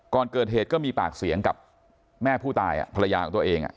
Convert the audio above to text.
ก่อนเกิดเหตุก็มีปากเสียงกับแม่ผู้ตายภรรยาของตัวเอง